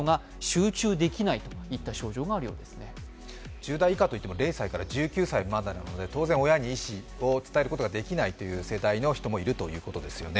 １０代以下といっても０歳から１０歳までですから当然、親に意思を伝えることができない世代の人もいるということですよね。